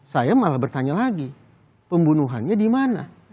saya malah bertanya lagi pembunuhannya di mana